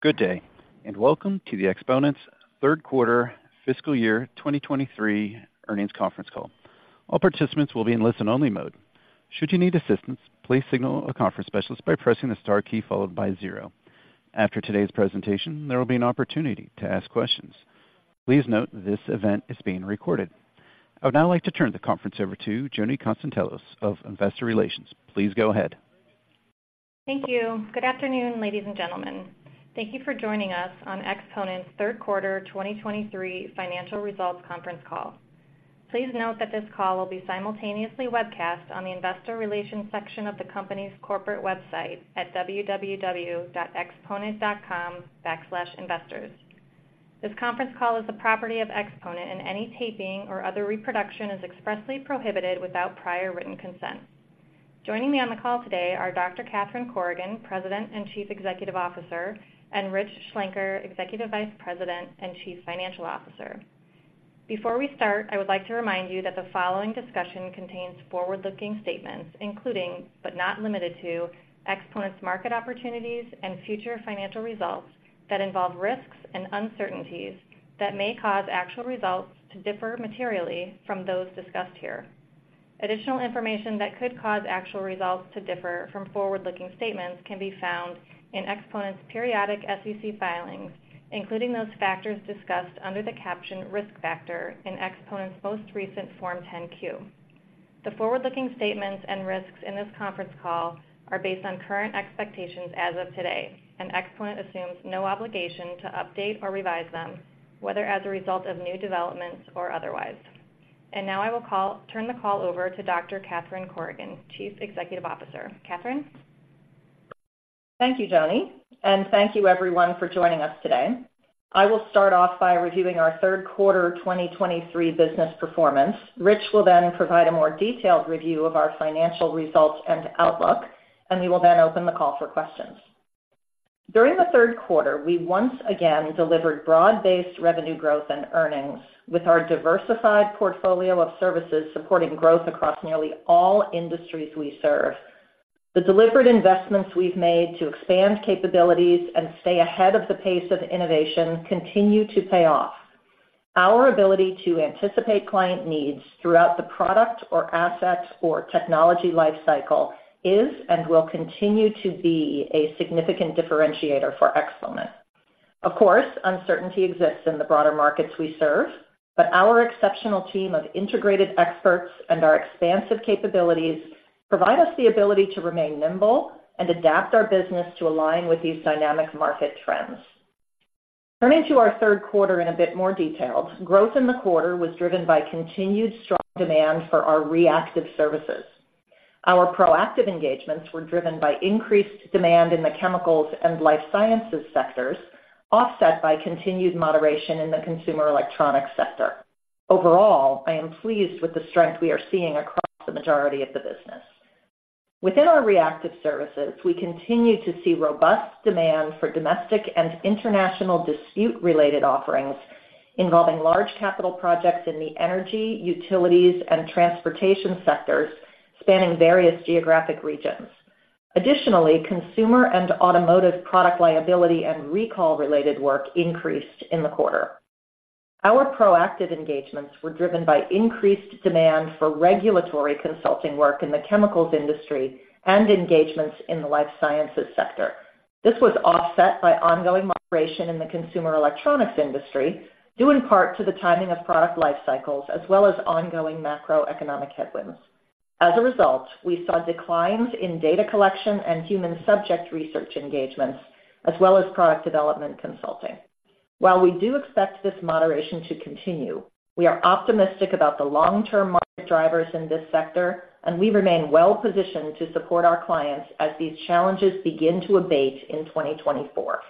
Good day, and welcome to Exponent's Third Quarter Fiscal Year 2023 Earnings Conference Call. All participants will be in listen-only mode. Should you need assistance, please signal a conference specialist by pressing the star key followed by zero. After today's presentation, there will be an opportunity to ask questions. Please note, this event is being recorded. I would now like to turn the conference over to Joni Konstantelos of Investor Relations. Please go ahead. Thank you. Good afternoon, ladies and gentlemen. Thank you for joining us on Exponent's Third Quarter 2023 Financial Results Conference Call. Please note that this call will be simultaneously webcast on the investor relations section of the company's corporate website at www.exponent.com/investors. This conference call is the property of Exponent, and any taping or other reproduction is expressly prohibited without prior written consent. Joining me on the call today are Dr. Catherine Corrigan, President and Chief Executive Officer, and Rich Schlenker, Executive Vice President and Chief Financial Officer. Before we start, I would like to remind you that the following discussion contains forward-looking statements, including, but not limited to, Exponent's market opportunities and future financial results, that involve risks and uncertainties that may cause actual results to differ materially from those discussed here. Additional information that could cause actual results to differ from forward-looking statements can be found in Exponent's periodic SEC filings, including those factors discussed under the caption Risk Factors in Exponent's most recent Form 10-Q. The forward-looking statements and risks in this conference call are based on current expectations as of today, and Exponent assumes no obligation to update or revise them, whether as a result of new developments or otherwise. Now I will turn the call over to Dr. Catherine Corrigan, Chief Executive Officer. Catherine? Thank you, Joni, and thank you everyone for joining us today. I will start off by reviewing our third quarter 2023 business performance. Rich will then provide a more detailed review of our financial results and outlook, and we will then open the call for questions. During the third quarter, we once again delivered broad-based revenue growth and earnings, with our diversified portfolio of services supporting growth across nearly all industries we serve. The deliberate investments we've made to expand capabilities and stay ahead of the pace of innovation continue to pay off. Our ability to anticipate client needs throughout the product or asset or technology lifecycle is and will continue to be a significant differentiator for Exponent. Of course, uncertainty exists in the broader markets we serve, but our exceptional team of integrated experts and our expansive capabilities provide us the ability to remain nimble and adapt our business to align with these dynamic market trends. Turning to our third quarter in a bit more detail, growth in the quarter was driven by continued strong demand for our reactive services. Our proactive engagements were driven by increased demand in the chemicals and life sciences sectors, offset by continued moderation in the consumer electronics sector. Overall, I am pleased with the strength we are seeing across the majority of the business. Within our reactive services, we continue to see robust demand for domestic and international dispute-related offerings involving large capital projects in the energy, utilities, and transportation sectors, spanning various geographic regions. Additionally, consumer and automotive product liability and recall-related work increased in the quarter. Our proactive engagements were driven by increased demand for regulatory consulting work in the chemicals industry and engagements in the life sciences sector. This was offset by ongoing moderation in the consumer electronics industry, due in part to the timing of product lifecycles as well as ongoing macroeconomic headwinds. As a result, we saw declines in data collection and human subject research engagements, as well as product development consulting. While we do expect this moderation to continue, we are optimistic about the long-term market drivers in this sector, and we remain well positioned to support our clients as these challenges begin to abate in 2024.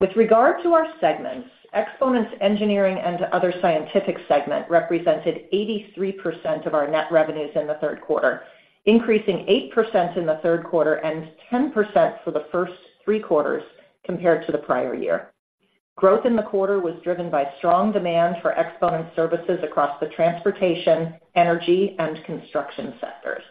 With regard to our segments, Exponent's engineering and other scientific segment represented 83% of our net revenues in the third quarter, increasing 8% in the third quarter and 10% for the first three quarters compared to the prior year. Growth in the quarter was driven by strong demand for Exponent services across the transportation, energy, and construction sectors.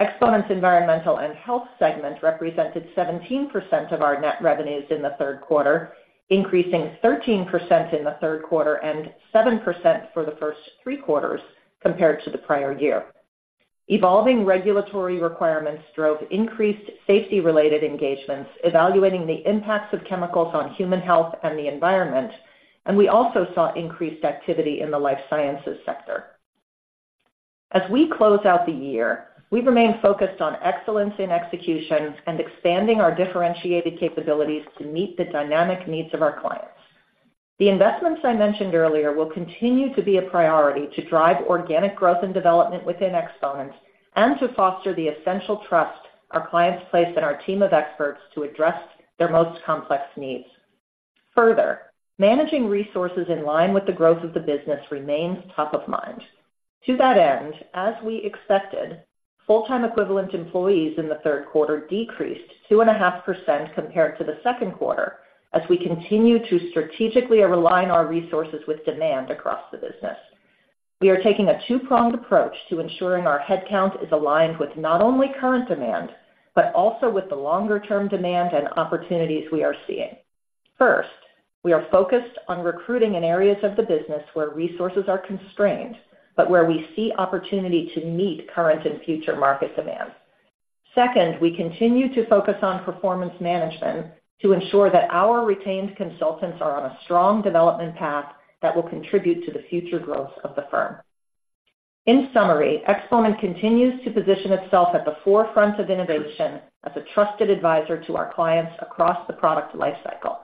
Exponent's environmental and health segment represented 17% of our net revenues in the third quarter, increasing 13% in the third quarter and 7% for the first three quarters compared to the prior year. Evolving regulatory requirements drove increased safety-related engagements, evaluating the impacts of chemicals on human health and the environment, and we also saw increased activity in the life sciences sector. As we close out the year, we remain focused on excellence in execution and expanding our differentiated capabilities to meet the dynamic needs of our clients. The investments I mentioned earlier will continue to be a priority to drive organic growth and development within Exponent and to foster the essential trust our clients place in our team of experts to address their most complex needs. Further, managing resources in line with the growth of the business remains top of mind. To that end, as we expected, full-time equivalent employees in the third quarter decreased 2.5% compared to the second quarter, as we continue to strategically align our resources with demand across the business. We are taking a two-pronged approach to ensuring our headcount is aligned with not only current demand, but also with the longer-term demand and opportunities we are seeing. First, we are focused on recruiting in areas of the business where resources are constrained, but where we see opportunity to meet current and future market demands. Second, we continue to focus on performance management to ensure that our retained consultants are on a strong development path that will contribute to the future growth of the firm. In summary, Exponent continues to position itself at the forefront of innovation as a trusted advisor to our clients across the product lifecycle.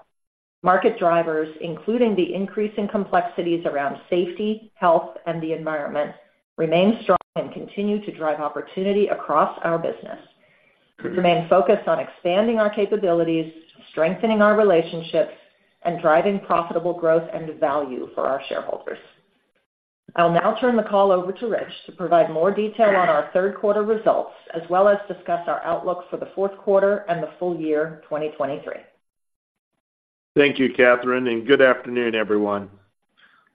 Market drivers, including the increasing complexities around safety, health, and the environment, remain strong and continue to drive opportunity across our business. We remain focused on expanding our capabilities, strengthening our relationships, and driving profitable growth and value for our shareholders. I'll now turn the call over to Rich to provide more detail on our third quarter results, as well as discuss our outlook for the fourth quarter and the full year 2023. Thank you, Catherine, and good afternoon, everyone.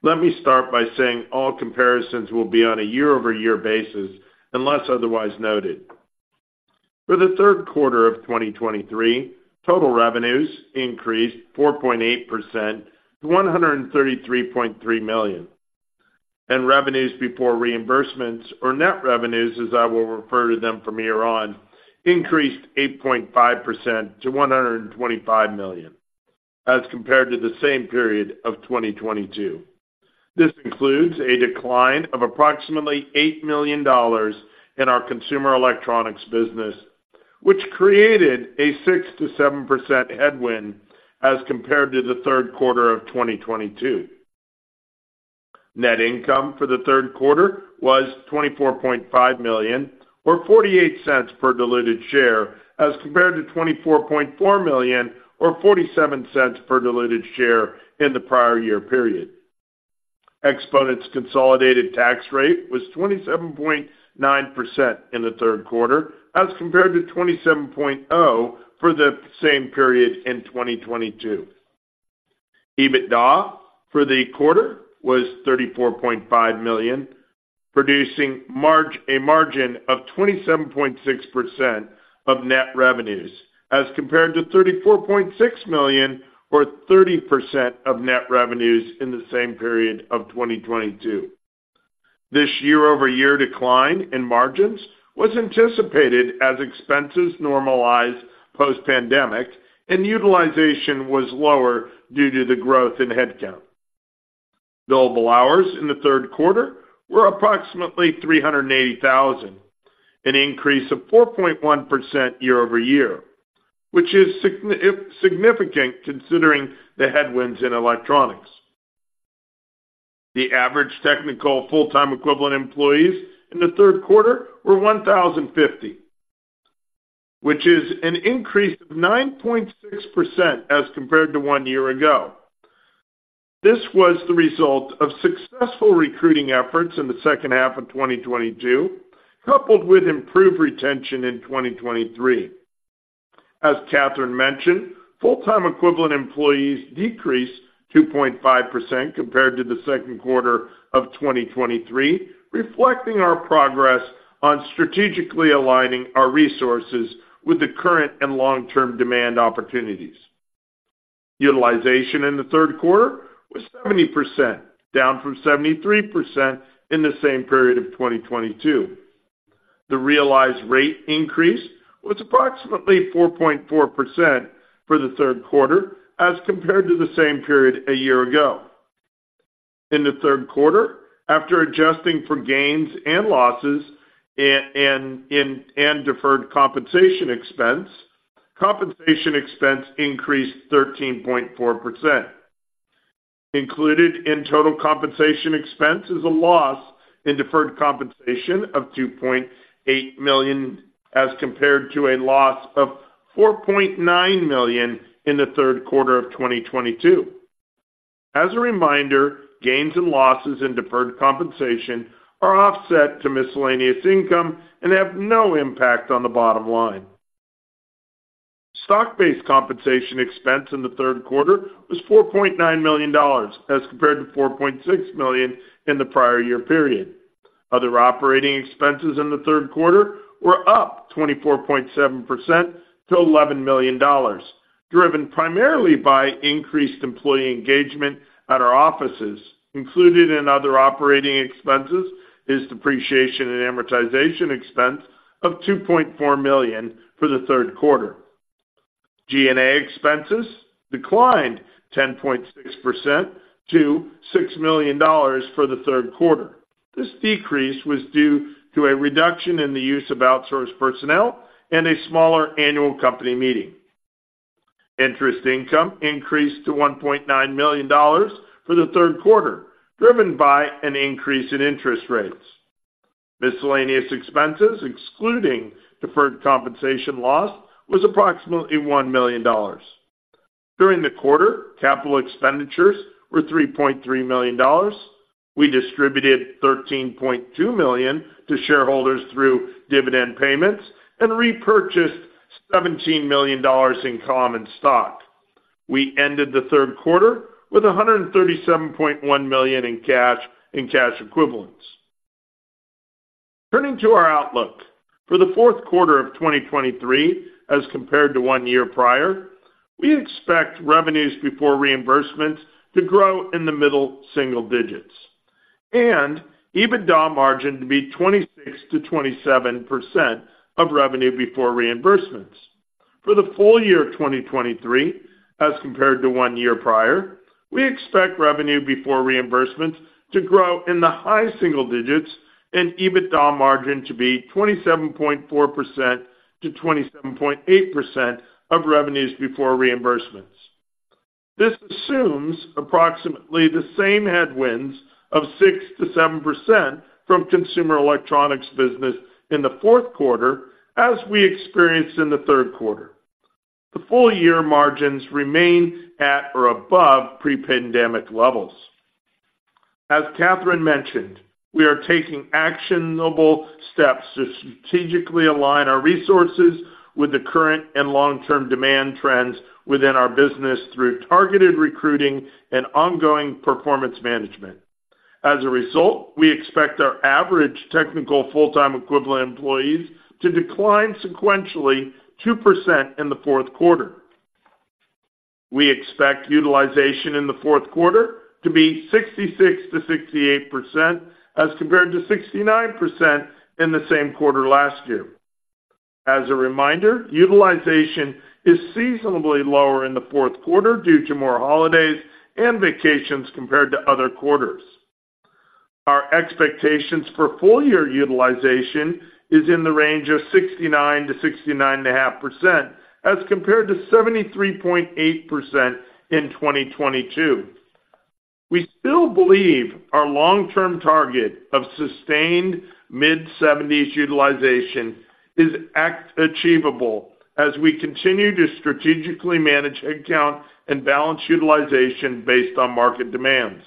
Let me start by saying all comparisons will be on a year-over-year basis, unless otherwise noted. For the third quarter of 2023, total revenues increased 4.8% to $133.3 million, and revenues before reimbursements or net revenues, as I will refer to them from here on, increased 8.5% to $125 million, as compared to the same period of 2022. This includes a decline of approximately $8 million in our consumer electronics business, which created a 6%-7% headwind as compared to the third quarter of 2022. Net income for the third quarter was $24.5 million, or $0.48 per diluted share, as compared to $24.4 million or $0.47 per diluted share in the prior year period. Exponent's consolidated tax rate was 27.9% in the third quarter, as compared to 27.0% for the same period in 2022. EBITDA for the quarter was $34.5 million, producing a margin of 27.6% of net revenues, as compared to $34.6 million or 30% of net revenues in the same period of 2022. This year-over-year decline in margins was anticipated as expenses normalized post-pandemic, and utilization was lower due to the growth in headcount. Billable hours in the third quarter were approximately 380,000, an increase of 4.1% year-over-year, which is significant considering the headwinds in electronics. The average technical full-time equivalent employees in the third quarter were 1,050, which is an increase of 9.6% as compared to one year ago. This was the result of successful recruiting efforts in the second half of 2022, coupled with improved retention in 2023. As Catherine mentioned, full-time equivalent employees decreased 2.5% compared to the second quarter of 2023, reflecting our progress on strategically aligning our resources with the current and long-term demand opportunities. Utilization in the third quarter was 70%, down from 73% in the same period of 2022. The realized rate increase was approximately 4.4% for the third quarter as compared to the same period a year ago. In the third quarter, after adjusting for gains and losses and in and deferred compensation expense, compensation expense increased 13.4%. Included in total compensation expense is a loss in deferred compensation of $2.8 million, as compared to a loss of $4.9 million in the third quarter of 2022. As a reminder, gains and losses in deferred compensation are offset to miscellaneous income and have no impact on the bottom line. Stock-based compensation expense in the third quarter was $4.9 million, as compared to $4.6 million in the prior year period. Other operating expenses in the third quarter were up 24.7% to $11 million, driven primarily by increased employee engagement at our offices. Included in other operating expenses is depreciation and amortization expense of $2.4 million for the third quarter. G&A expenses declined 10.6% to $6 million for the third quarter. This decrease was due to a reduction in the use of outsourced personnel and a smaller annual company meeting. Interest income increased to $1.9 million for the third quarter, driven by an increase in interest rates. Miscellaneous expenses, excluding deferred compensation loss, was approximately $1 million. During the quarter, capital expenditures were $3.3 million. We distributed $13.2 million to shareholders through dividend payments and repurchased $17 million in common stock. We ended the third quarter with $137.1 million in cash and cash equivalents. Turning to our outlook. For the fourth quarter of 2023, as compared to one year prior, we expect revenues before reimbursements to grow in the middle single digits, and EBITDA margin to be 26%-27% of revenue before reimbursements. For the full year of 2023, as compared to one year prior, we expect revenue before reimbursements to grow in the high single digits, and EBITDA margin to be 27.4%-27.8% of revenues before reimbursements. This assumes approximately the same headwinds of 6%-7% from consumer electronics business in the fourth quarter as we experienced in the third quarter. The full year margins remain at or above pre-pandemic levels. As Catherine mentioned, we are taking actionable steps to strategically align our resources with the current and long-term demand trends within our business through targeted recruiting and ongoing performance management. As a result, we expect our average technical full-time equivalent employees to decline sequentially 2% in the fourth quarter. We expect utilization in the fourth quarter to be 66%-68%, as compared to 69% in the same quarter last year. As a reminder, utilisation is seasonally lower in the fourth quarter due to more holidays and vacations compared to other quarters. Our expectations for full year utilization is in the range of 69%-69.5%, as compared to 73.8% in 2022. We still believe our long-term target of sustained mid-seventies utilization is achievable as we continue to strategically manage headcount and balance utilization based on market demands.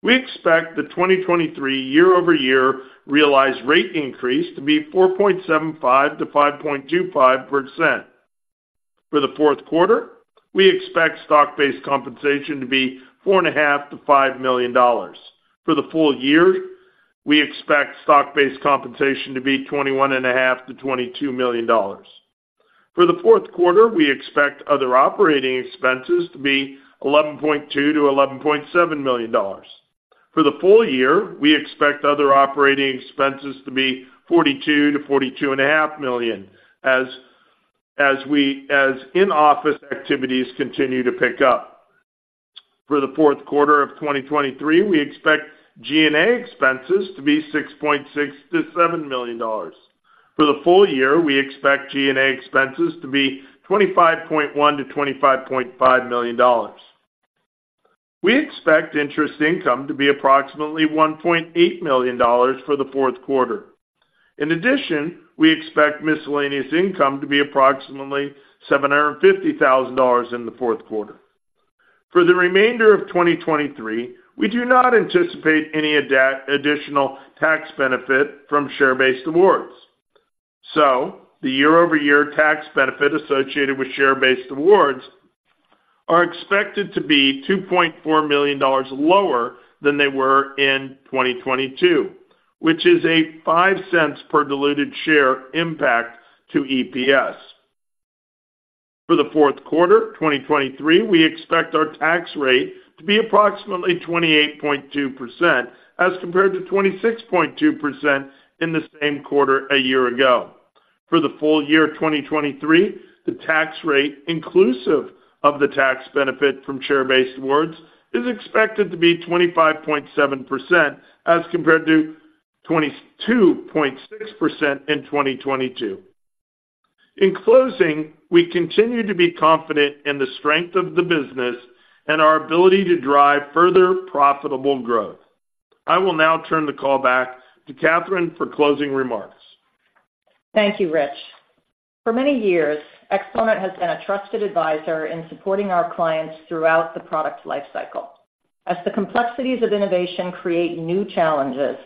We expect the 2023 year-over-year realized rate increase to be 4.75%-5.25%. For the fourth quarter, we expect stock-based compensation to be $4.5 million-$5 million. For the full year, we expect stock-based compensation to be $21.5-$22 million. For the fourth quarter, we expect other operating expenses to be $11.2-$11.7 million. For the full year, we expect other operating expenses to be $42-$42.5 million, as in-office activities continue to pick up. For the fourth quarter of 2023, we expect G&A expenses to be $6.6-$7 million. For the full year, we expect G&A expenses to be $25.1-$25.5 million. We expect interest income to be approximately $1.8 million for the fourth quarter. In addition, we expect miscellaneous income to be approximately $750,000 in the fourth quarter. For the remainder of 2023, we do not anticipate any additional tax benefit from share-based awards. So the year-over-year tax benefit associated with share-based awards are expected to be $2.4 million lower than they were in 2022, which is a $0.05 per diluted share impact to EPS. For the fourth quarter 2023, we expect our tax rate to be approximately 28.2%, as compared to 26.2% in the same quarter a year ago. For the full year of 2023, the tax rate, inclusive of the tax benefit from share-based awards, is expected to be 25.7%, as compared to 22.6% in 2022. In closing, we continue to be confident in the strength of the business and our ability to drive further profitable growth. I will now turn the call back to Catherine for closing remarks. Thank you, Rich. For many years, Exponent has been a trusted advisor in supporting our clients throughout the product lifecycle. As the complexities of innovation create new challenges,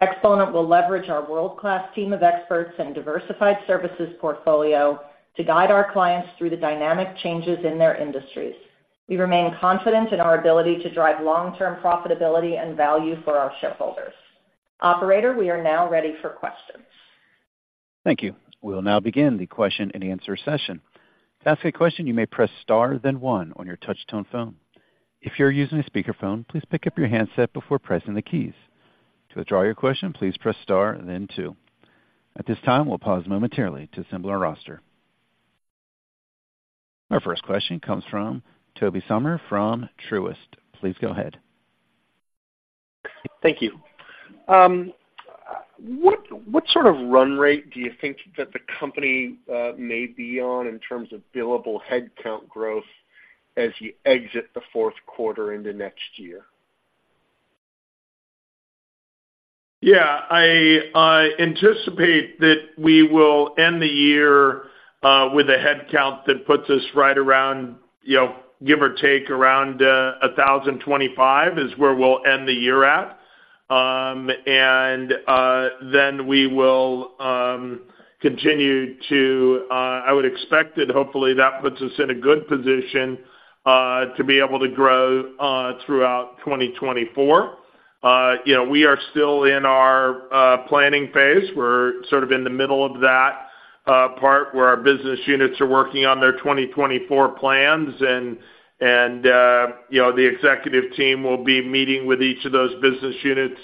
Exponent will leverage our world-class team of experts and diversified services portfolio to guide our clients through the dynamic changes in their industries. We remain confident in our ability to drive long-term profitability and value for our shareholders. Operator, we are now ready for questions. Thank you. We will now begin the question-and-answer session. To ask a question, you may press star, then one on your touchtone phone. If you're using a speakerphone, please pick up your handset before pressing the keys. To withdraw your question, please press star, then two. At this time, we'll pause momentarily to assemble our roster. Our first question comes from Tobey Sommer from Truist. Please go ahead. Thank you. What sort of run rate do you think that the company may be on in terms of billable headcount growth as you exit the fourth quarter into next year? Yeah, I anticipate that we will end the year with a headcount that puts us right around, you know, give or take, around 1,025, is where we'll end the year at. I would expect that hopefully that puts us in a good position, you know, to be able to grow throughout 2024. You know, we are still in our planning phase. We're sort of in the middle of that part, where our business units are working on their 2024 plans, and, you know, the executive team will be meeting with each of those business units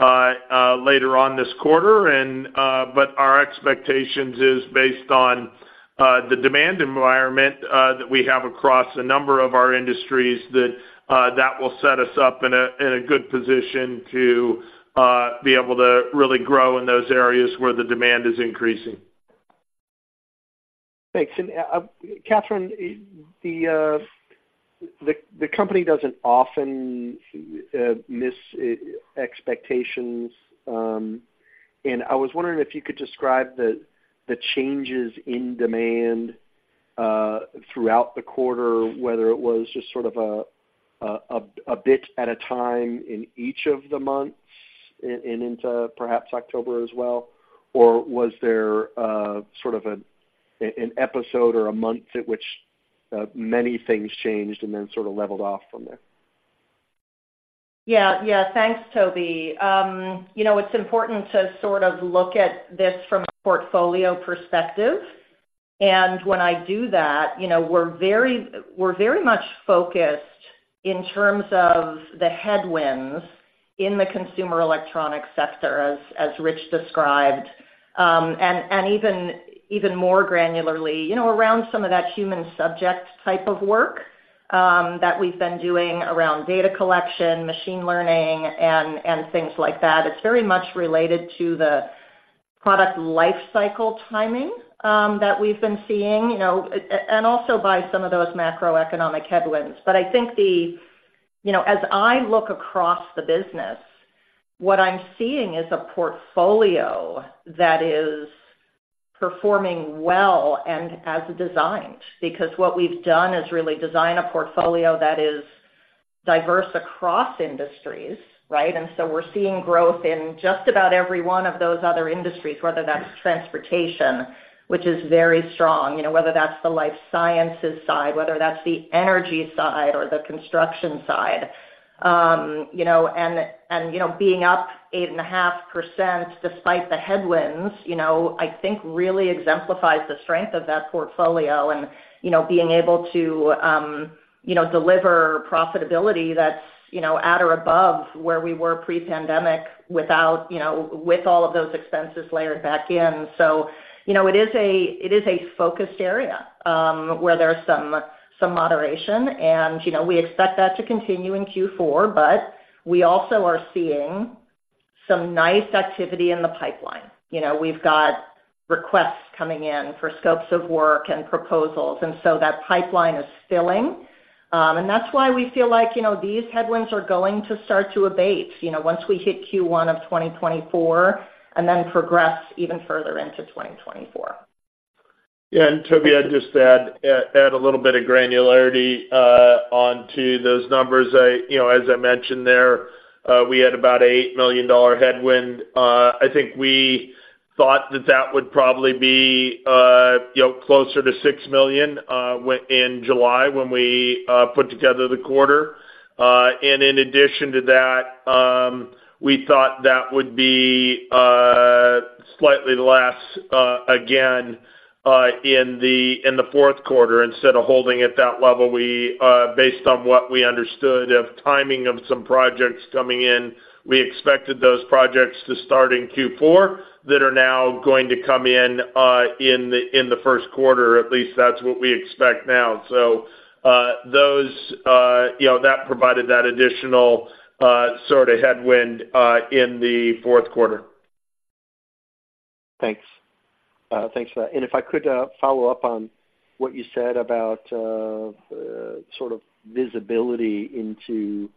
later on this quarter. Our expectations is based on the demand environment that we have across a number of our industries that will set us up in a good position to be able to really grow in those areas where the demand is increasing. Thanks. Catherine, the company doesn't often miss expectations. I was wondering if you could describe the changes in demand throughout the quarter, whether it was just sort of a bit at a time in each of the months, and into perhaps October as well, or was there sort of an episode or a month at which many things changed and then sort of levelled off from there? Yeah, thanks, Tobey. You know, it's important to sort of look at this from a portfolio perspective. When I do that, you know, we're very much focused in terms of the headwinds in the consumer electronic sector, as Rich described. Even more granularly, you know, around some of that human subject type of work that we've been doing around data collection, machine learning, and things like that. It's very much related to the product life cycle timing that we've been seeing, you know, and also by some of those macroeconomic headwinds. I think the, you know, as I look across the business, what I'm seeing is a portfolio that is performing well and as designed, because what we've done is really design a portfolio that is diverse across industries, right? We're seeing growth in just about every one of those other industries, whether that's transportation, which is very strong, you know, whether that's the life sciences side, whether that's the energy side or the construction side. You know, and, you know, being up 8.5% despite the headwinds, you know, I think really exemplifies the strength of that portfolio. And, you know, being able to, you know, deliver profitability that's, you know, at or above where we were pre-pandemic without, you know, with all of those expenses layered back in. You know, it is a focused area where there's some, some moderation. And, you know, we expect that to continue in Q4, but we also are seeing some nice activity in the pipeline. You know, we've got requests coming in for scopes of work and proposals, and so that pipeline is filling. And that's why we feel like, you know, these headwinds are going to start to abate, you know, once we hit Q1 of 2024, and then progress even further into 2024. Yeah, and Tobey, I'd just add a little bit of granularity onto those numbers. I, you know, as I mentioned there, we had about an $8 million headwind. I think we thought that that would probably be, you know, closer to $6 million in July, when we put together the quarter. And in addition to that, we thought that would be slightly less, again, in the fourth quarter. Instead of holding at that level, we, based on what we understood of timing of some projects coming in, we expected those projects to start in Q4, that are now going to come in in the first quarter, at least that's what we expect now. So, those, you know, that provided that additional sort of headwind in the fourth quarter. Thanks. Thanks for that. And if I could follow up on what you said about sort of visibility into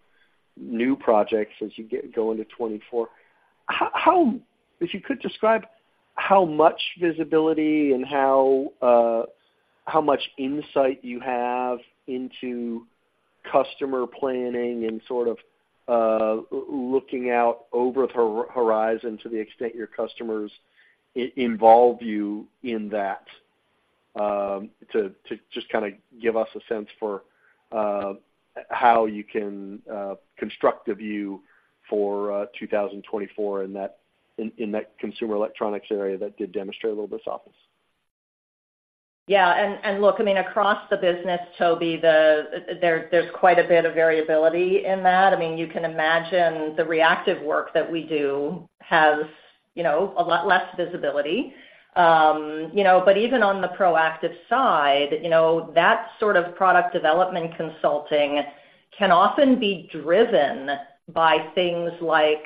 new projects as you go into 2024. How if you could describe how much visibility and how much insight you have into customer planning and sort of looking out over the horizon, to the extent your customers involve you in that, to just kind of give us a sense for how you can construct a view for 2024 in that consumer electronics area that did demonstrate a little bit of softness. Yeah, and look, I mean, across the business, Tobey, there, there's quite a bit of variability in that. I mean, you can imagine the reactive work that we do has, you know, a lot less visibility. You know, but even on the proactive side, you know, that sort of product development consulting can often be driven by things like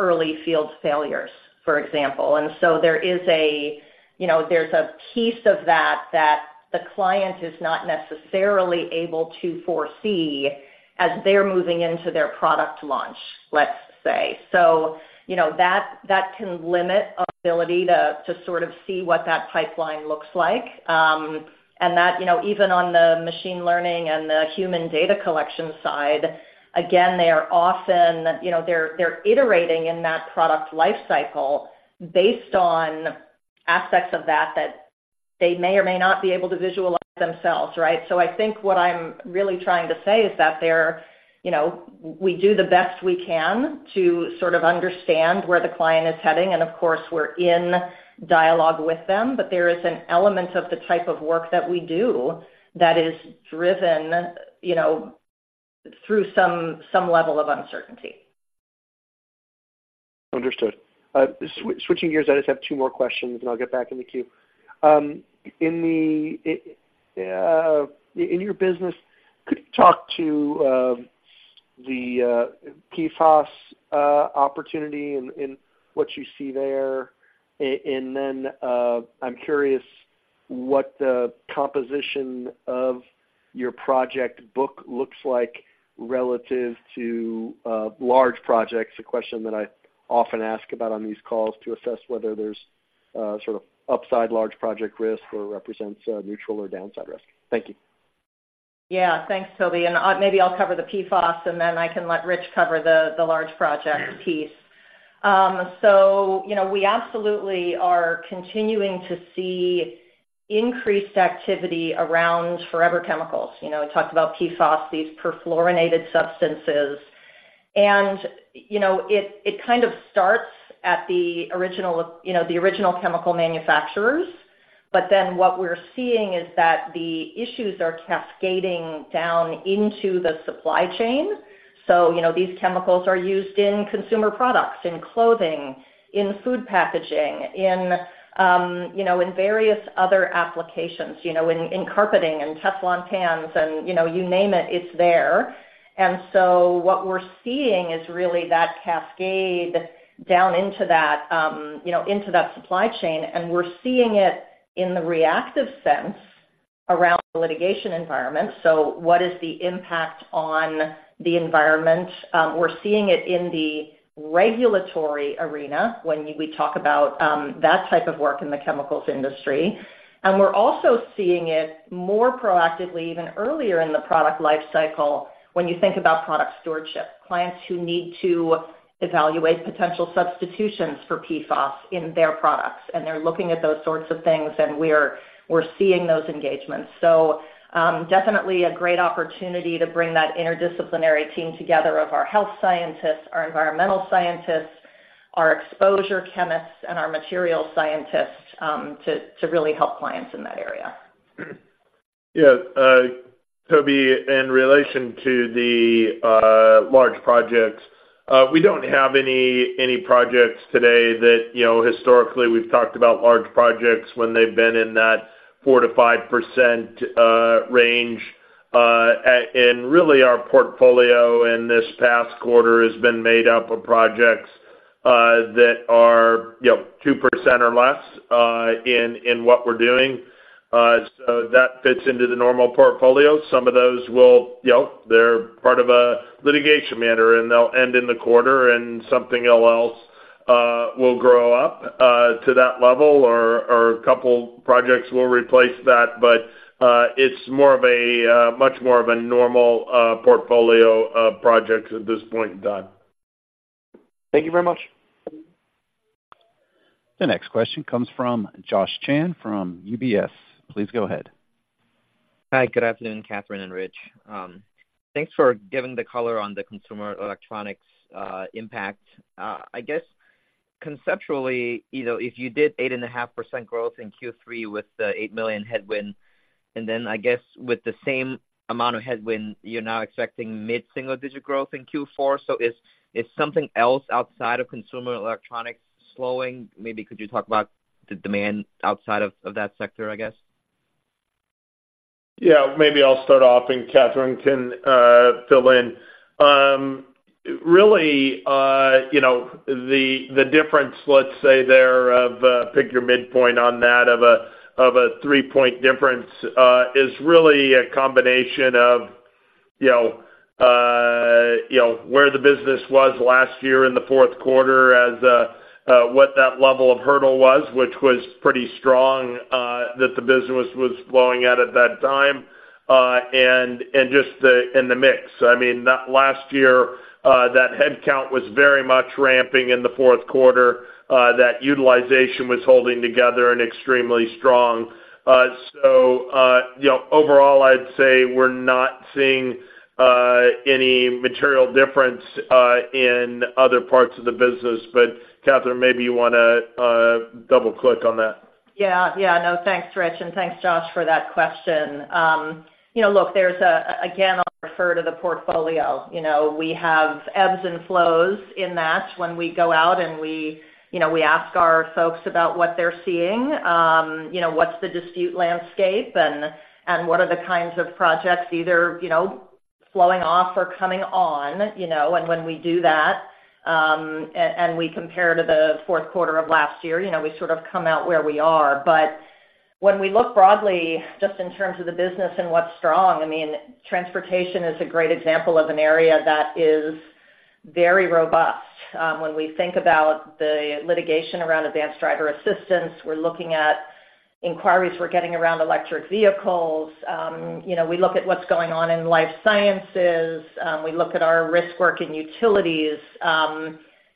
early field failures, for example. And so there is a, you know, there's a piece of that, that the client is not necessarily able to foresee as they're moving into their product launch, let's say. So, you know, that can limit our ability to sort of see what that pipeline looks like. And that, you know, even on the machine learning and the human data collection side, again, they are often, you know, they're iterating in that product life cycle based on aspects of that, that they may or may not be able to visualize themselves, right? I think what I'm really trying to say is that they're, you know, we do the best we can to sort of understand where the client is heading, and of course, we're in dialogue with them, but there is an element of the type of work that we do that is driven, you know, through some level of uncertainty. Understood. Switching gears, I just have two more questions, and I'll get back in the queue. In your business, could you talk to the PFAS opportunity and what you see there? I'm curious what the composition of your project book looks like relative to large projects. A question that I often ask about on these calls to assess whether there's sort of upside large project risk or represents a neutral or downside risk. Thank you. Yeah, thanks, Tobey. And, maybe I'll cover the PFAS, and then I can let Rich cover the large project piece. So, you know, we absolutely are continuing to see increased activity around forever chemicals. You know, we talked about PFAS, these perfluorinated substances. And, you know, it kind of starts at the original, you know, the original chemical manufacturers. But then what we're seeing is that the issues are cascading down into the supply chain. So, you know, these chemicals are used in consumer products, in clothing, in food packaging, in, you know, in various other applications, you know, in carpeting and Teflon pans, and, you know, you name it, it's there. And so what we're seeing is really that cascade down into that, you know, into that supply chain, and we're seeing it in the reactive sense around the litigation environment. So what is the impact on the environment? We're seeing it in the regulatory arena when we talk about that type of work in the chemicals industry. And we're also seeing it more proactively, even earlier in the product life cycle, when you think about product stewardship. Clients who need to evaluate potential substitutions for PFAS in their products, and they're looking at those sorts of things, and we're seeing those engagements. So, definitely a great opportunity to bring that interdisciplinary team together of our health scientists, our environmental scientists, our exposure chemists, and our materials scientists, to really help clients in that area. Yeah, Tobey, in relation to the large projects, we don't have any projects today that, you know, historically, we've talked about large projects when they've been in that 4%-5% range. And really, our portfolio in this past quarter has been made up of projects that are, you know, 2% or less in what we're doing. So that fits into the normal portfolio. Some of those will, you know, they're part of a litigation matter, and they'll end in the quarter, and something else will grow up to that level, or a couple projects will replace that. But it's more of a much more of a normal portfolio of projects at this point in time. Thank you very much. The next question comes from Josh Chan from UBS. Please go ahead. Hi, good afternoon, Catherine and Rich. Thanks for giving the color on the consumer electronics impact. I guess conceptually, you know, if you did 8.5% growth in Q3 with the $8 million headwind, and then I guess with the same amount of headwind, you're now expecting mid-single-digit growth in Q4. So is something else outside of consumer electronics slowing? Maybe could you talk about the demand outside of that sector, I guess? Yeah. Maybe I'll start off, and Catherine can fill in. Really, you know, the difference, let's say there of pick your midpoint on that, of a three-point difference is really a combination of, you know, you know, where the business was last year in the fourth quarter as what that level of hurdle was, which was pretty strong, that the business was flowing at that time, and just the mix. I mean, that last year that headcount was very much ramping in the fourth quarter, that utilization was holding together and extremely strong. So, you know, overall, I'd say we're not seeing any material difference in other parts of the business. But Catherine, maybe you wanna double-click on that. Yeah. Yeah, no, thanks, Rich, and thanks, Josh, for that question. You know, look, there's again, I'll refer to the portfolio. You know, we have ebbs and flows in that when we go out and we, you know, we ask our folks about what they're seeing, you know, what's the dispute landscape and what are the kinds of projects either, you know, flowing off or coming on, you know, and when we do that, and we compare to the fourth quarter of last year, you know, we sort of come out where we are. But when we look broadly, just in terms of the business and what's strong, I mean, transportation is a great example of an area that is very robust. When we think about the litigation around advanced driver assistance, we're looking at inquiries we're getting around electric vehicles. You know, we look at what's going on in life sciences, we look at our risk work in utilities.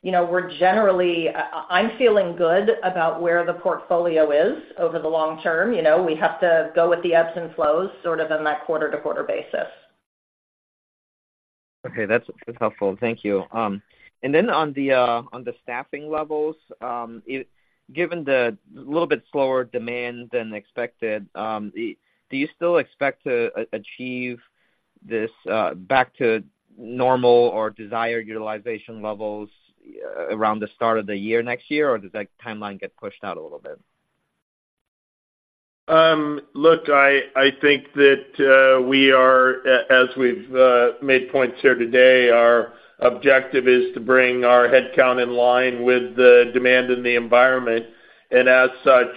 You know, we're generally I'm feeling good about where the portfolio is over the long term. You know, we have to go with the ebbs and flows, sort of in that quarter-to-quarter basis. Okay, that's, that's helpful. Thank you. And then on the staffing levels, given the little bit slower demand than expected, do you still expect to achieve this back to normal or desired utilization levels around the start of the year, next year? Or does that timeline get pushed out a little bit? Look, I think that, as we've made points here today, our objective is to bring our headcount in line with the demand in the environment, and as such,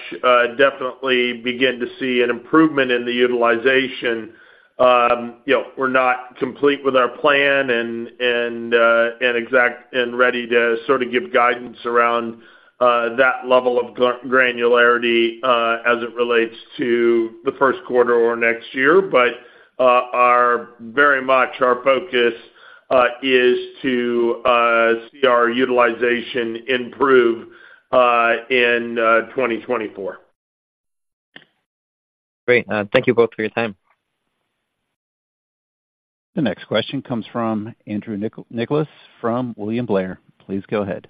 definitely begin to see an improvement in the utilisation. You know, we're not complete with our plan and ready to sort of give guidance around that level of granularity as it relates to the first quarter or next year. Very much our focus is to see our utilisation improve in 2024. Great. Thank you both for your time. The next question comes from Andrew Nicholas, from William Blair. Please go ahead.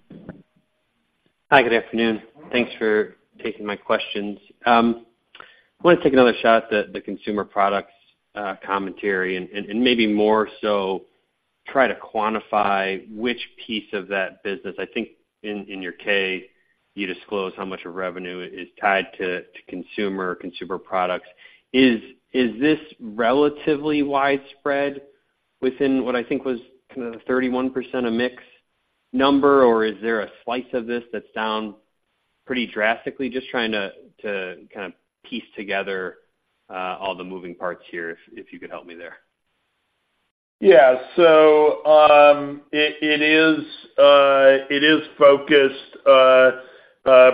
Hi, good afternoon. Thanks for taking my questions. I want to take another shot at the consumer products commentary and maybe more so try to quantify which piece of that business. I think in your K, you disclose how much of revenue is tied to consumer products. Is this relatively widespread within what I think was kind of the 31% of mix number, or is there a slice of this that's down pretty drastically? Just trying to kind of piece together all the moving parts here, if you could help me there. Yeah. So, it is focused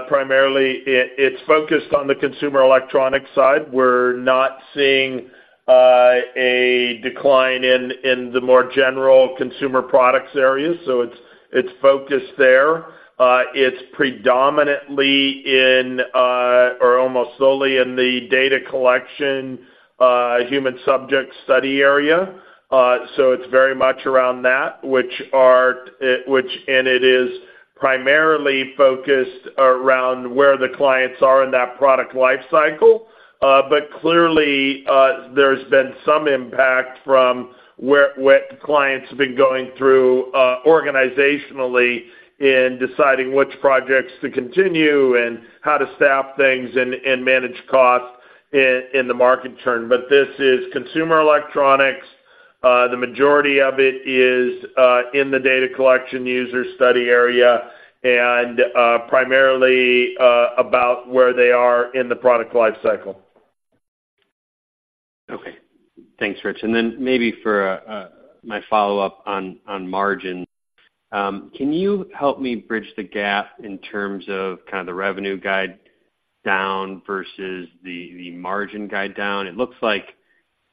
primarily. It's focused on the consumer electronic side. We're not seeing a decline in the more general consumer products areas. So it's focused there. It's predominantly in, or almost solely in the data collection, human subject study area. So it's very much around that, which and it is primarily focused around where the clients are in that product life cycle. But clearly, there's been some impact from what clients have been going through organizationally in deciding which projects to continue and how to staff things and manage costs in the market turn. But this is consumer electronics, the majority of it is in the data collection user study area, and primarily about where they are in the product life cycle. Okay. Thanks, Rich. And then maybe for my follow-up on margin. Can you help me bridge the gap in terms of kind of the revenue guide down versus the margin guide down? It looks like,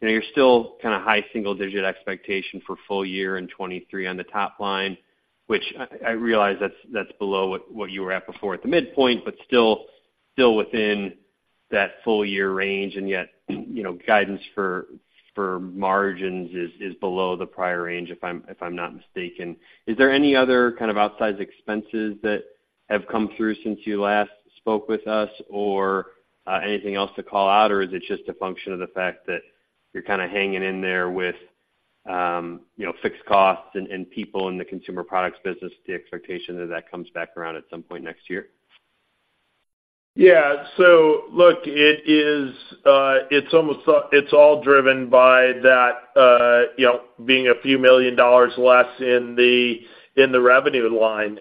you know, you're still kind of high single digit expectation for full year and 2023 on the top line, which I realize that's below what you were at before at the midpoint, but still within that full year range, and yet, you know, guidance for margins is below the prior range, if I'm not mistaken. Is there any other kind of outsized expenses that have come through since you last spoke with us, or anything else to call out? Or is it just a function of the fact that you're kind of hanging in there with, you know, fixed costs and people in the consumer products business, the expectation that that comes back around at some point next year? Yeah. So look, it is, it's almost, it's all driven by that, you know, being a few million dollars less in the revenue line.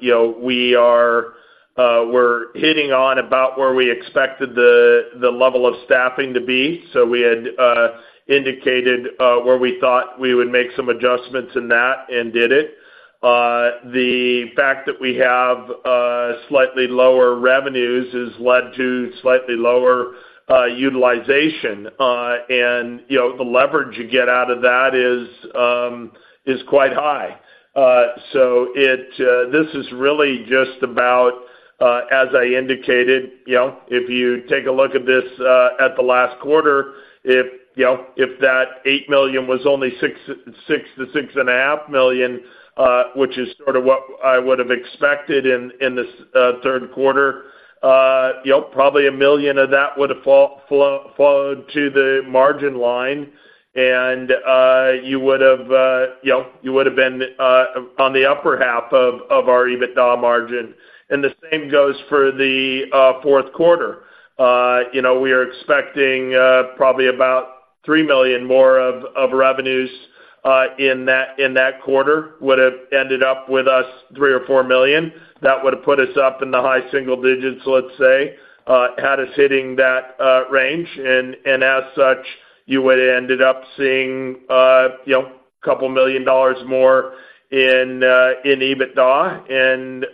You know, we are, we're hitting on about where we expected the level of staffing to be. So we had indicated where we thought we would make some adjustments in that and did it. The fact that we have slightly lower revenues has led to slightly lower utilization. And, you know, the leverage you get out of that is quite high. So it is really just about, as I indicated, you know, if you take a look at this, at the last quarter, if, you know, if that $8 million was only $6 million-$6.5 million, which is sort of what I would've expected in this third quarter, you know, probably $1 million of that would've flowed to the margin line and you would've, you know, you would've been on the upper half of our EBITDA margin. The same goes for the fourth quarter. You know, we are expecting probably about $3 million more of revenues in that quarter, would've ended up with us $3 million or $4 million. That would've put us up in the high single digits, let's say. had us hitting that range, and as such, you would've ended up seeing, you know, $2 million more in EBITDA and,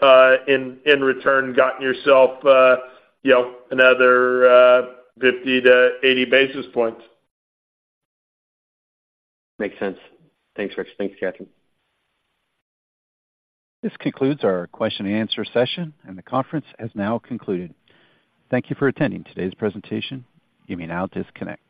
in return, gotten yourself, you know, another 50-80 basis points. Makes sense. Thanks, Rich. Thanks, Catherine. This concludes our question and answer session, and the conference has now concluded. Thank you for attending today's presentation. You may now disconnect.